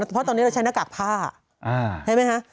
เพราะตอนนี้เราใช้หน้ากากผ้าใช่ไหมคะ